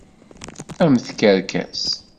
A mm tkerkas.